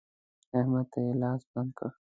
احمد ته يې لاس بند کړ.